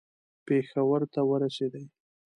پېښور ته ورسېدی.